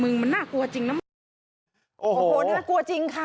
ไงมึงทำรท์น่ากลัวจริงนะ